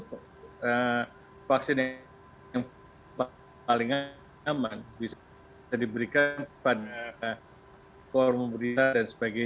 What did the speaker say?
vaksin yang paling aman bisa diberikan kepada formulia dan sebagainya